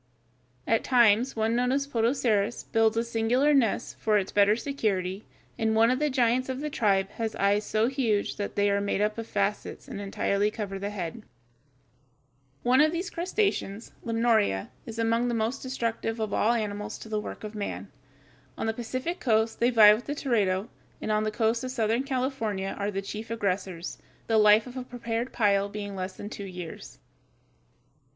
At times one known as Podocerus builds a singular nest for its better security, and one of the giants of the tribe has eyes so huge that they are made up of facets and entirely cover the head. [Illustration: FIG. 141. Sand flea (Talitrus).] [Illustration: FIG. 142. Arcturus longicornis, enlarged.] One of these crustaceans, Limnoria, is among the most destructive of all animals to the work of man. On the Pacific coast they vie with the teredo, and on the coast of southern California are the chief aggressors, the life of a prepared pile being less than two years.